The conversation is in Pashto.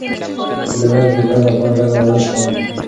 زه د ورځې د پیل لپاره لږه ورزش کوم.